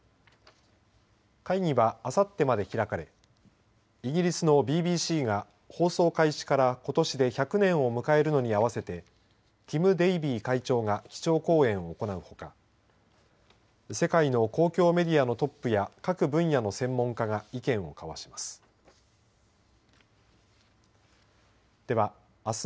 会議は、あさってまで開かれイギリスのＢＢＣが放送開始から、ことしで１００年を迎えるのに合わせてティム・デイビー会長が基調講演を行うほか世界の公共メディアのトップや各分野の専門家が意見を交わします。